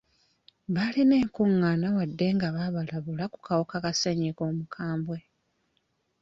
Baalina enkungaana wadde nga baabalabula ku kawuka ka ssenyiga omukambwe.